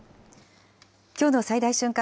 きょうの最大瞬間